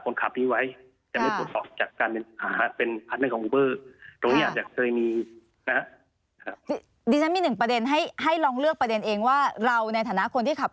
ดิฉันมีหนึ่งประเด็นให้ลองเลือกประเด็นเองว่าเราในฐานะคนที่ขับ